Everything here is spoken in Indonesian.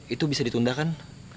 itu bisa ditunda kan